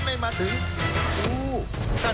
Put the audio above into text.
โดยโดย